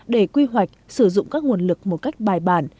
để quy hoạch sử dụng các nguồn lực một cách bài bản